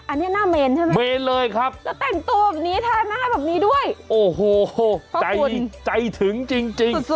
อันนี้หน้าเมนใช่ไหมแล้วแต่งตัวแบบนี้แทนหน้าแบบนี้ด้วยพระคุณจัยถึงจริง